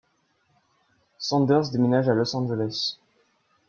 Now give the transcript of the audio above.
Sanders déménage à Los Angeles.